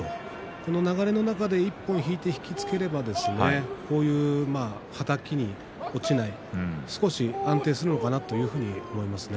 この流れる中で一歩引いて引き付けるとはたきに落ちない少し安定するのかなと思いますね。